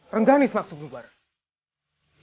renganis maksudmu marah